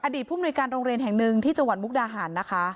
ผู้มนุยการโรงเรียนแห่งหนึ่งที่จังหวัดมุกดาหารนะคะ